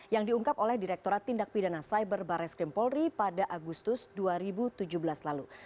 yang diungkap oleh direkturat tindak pidana cyber barreskrim polri pada agustus dua ribu tujuh belas lalu